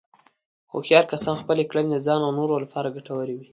هوښیار کسان خپلې کړنې د ځان او نورو لپاره ګټورې وي.